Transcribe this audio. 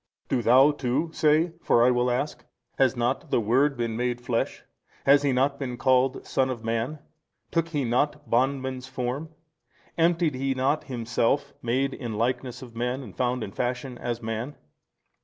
A. Do thou too say, for I will ask: Has not the Word been made flesh? has He not been called son of man? took He not bondman's form? emptied He not Himself, made in likeness of men and found in fashion as man?